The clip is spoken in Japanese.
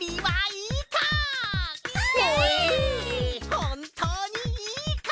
ほんとうにいいか！？